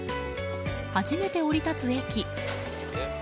初めて降り立つ駅。